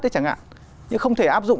đấy chẳng hạn nhưng không thể áp dụng